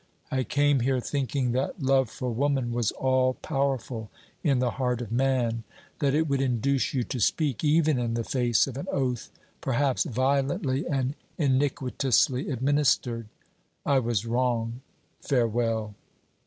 I came here thinking that love for woman was all powerful in the heart of man, that it would induce you to speak, even in the face of an oath, perhaps violently and iniquitously administered; I was wrong; farewell!"